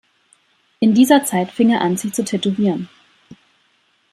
In dieser Zeit fing er an, sich zu tätowieren.